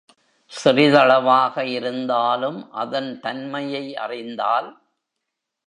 சிறிதளவாக இருந்தாலும், அதன் தன்மையை அறிந்தால்